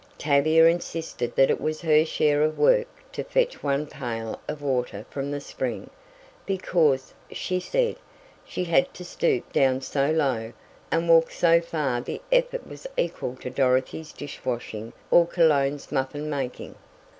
Tavia insisted that it was her share of work to fetch one pail of water from the spring, because, she said, she had to stoop down so low, and walk so far the effort was equal to Dorothy's dish washing or Cologne's muffin making.